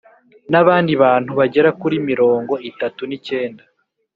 n’abandi bantu bagera kuri mirongo itatu n’ikenda